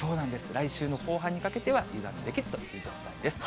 来週の後半にかけては油断できずという状態です。